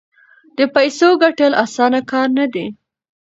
د پیسو ګټل اسانه کار نه دی.